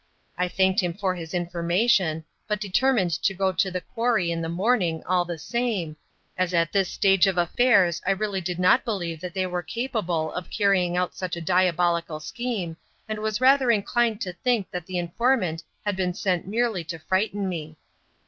I thanked him for his information, but determined to go to the quarry in the morning all the same, as at this stage of affairs I really did not believe that they were capable of carrying out such a diabolical scheme, and was rather inclined to think that the informant had been sent merely to frighten me.